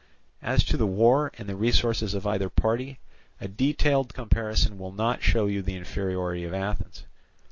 "As to the war and the resources of either party, a detailed comparison will not show you the inferiority of Athens.